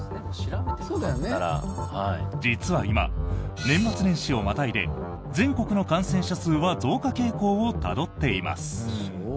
実は今、年末年始をまたいで全国の感染者数は増加傾向をたどっています。